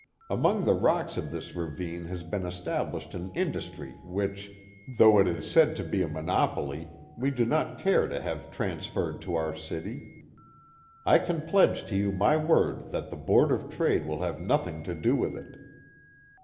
Among the rocks of this ravine has been established an industry which, though it is said to be a monopoly, we do not care to have transferred to our city. I can pledge you my word that the Board of Trade will have nothing to do with it.